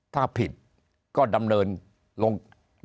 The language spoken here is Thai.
ถ้าผิดก็ดำเนินรองยาก